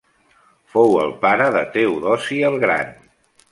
Fou el pare de Teodosi el Gran.